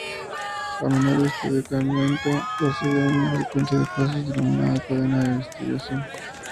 A menudo, este decaimiento procede de una secuencia de pasos denominada cadena de desintegración.